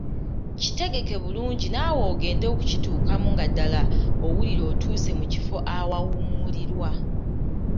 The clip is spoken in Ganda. Kitegeke bulungi naawe ogende okituukamu nga ddala owulira otuuse mu kifo awawummulirwa.